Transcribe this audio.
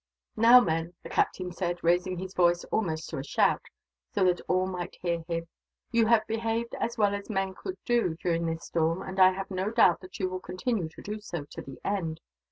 "Now, men," the captain said, raising his voice almost to a shout, so that all might hear him, "you have behaved as well as men could do, during this storm; and I have no doubt that you will continue to do so, to the end.